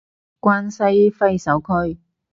關西揮手區